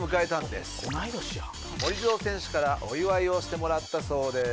モリゾウ選手からお祝いをしてもらったそうです。